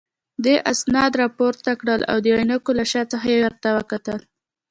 دې اسناد راپورته کړل او د عینکو له شا څخه یې ورته وکتل.